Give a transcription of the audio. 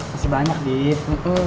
masih banyak div